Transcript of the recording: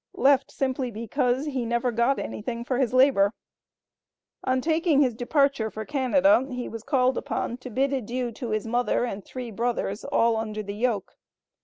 Left simply because he "never got anything for his labor." On taking his departure for Canada, he was called upon to bid adieu to his mother and three brothers, all under the yoke.